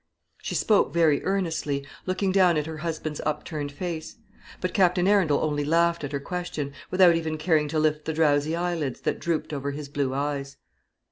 She spoke very earnestly, looking down at her husband's upturned face; but Captain Arundel only laughed at her question, without even caring to lift the drowsy eyelids that drooped over his blue eyes.